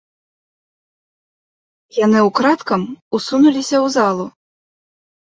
Яны ўкрадкам усунуліся ў залу.